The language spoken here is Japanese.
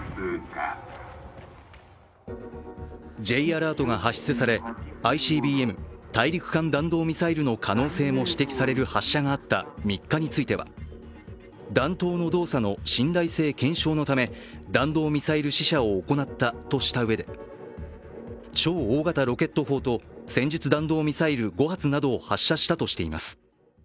Ｊアラートが発出されＩＣＢＭ＝大陸間弾道ミサイルの可能性も指摘される指摘される発射があった３日については弾頭の動作の信頼性検証のため、弾道ミサイル試射を行ったとしたうえで超大型ロケット砲と戦術弾道ミサイル５発などを発射したとしています。